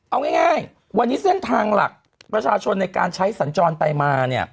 เอาง่ายวันนี้เส้นทางหลักประชาชนในการใช้สัญจรไปมาเนี่ย